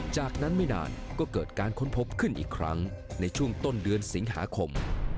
จากนั้นไม่นานก็เกิดการค้นพบขึ้นอีกครั้งในช่วงต้นเดือนสิงหาคม